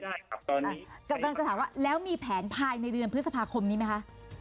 กำลังจะถามว่าแล้วมีแผนภายในเดือนพฤษภาคมนี้ไหมคะ